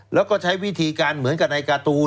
แล้วก็ใช้วิธีการเหมือนกับในการ์ตูน